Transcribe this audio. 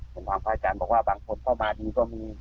เป็นความพระอาจารย์บอกว่าบางคนเข้ามาดีก็มี